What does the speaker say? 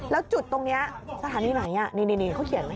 แล้วจุดตรงนี้สถานีไหนนี่เขาเขียนไหม